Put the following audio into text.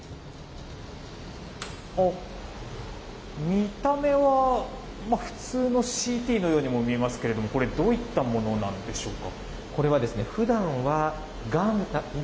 見た目は普通のＣＴのようにも見えますけれどもこれどういったものでしょうか。